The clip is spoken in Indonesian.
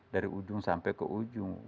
dari ujung sampai ke ujung